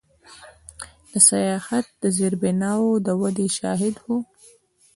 د سیاحت د زیربناوو د ودې شاهد و.